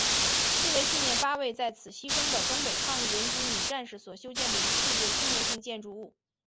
是为纪念八位在此牺牲的东北抗日联军女战士所修建的一系列纪念性建筑物。